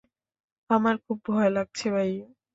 আমার খুব ভয় লাগছে ভাইয়া।